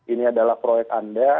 ini adalah proyek anda